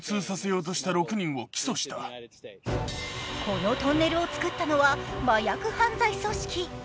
このトンネルを作ったのは麻薬犯罪組織。